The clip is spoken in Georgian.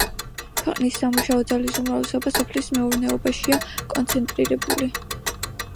ქვეყნის სამუშაო ძალის უმრავლესობა სოფლის მეურნეობაშია კონცენტრირებული.